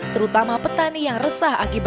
terutama petani yang resah